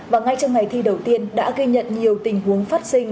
và ngay trong ngày thi đầu tiên đã ghi nhận nhiều tình huống phát sinh